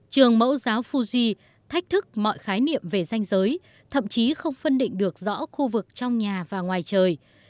trường mẫu giáo fuji thách thức mọi khái niệm về danh giới thậm chí không phân định được rõ khu vực trong nhà và ngoài trời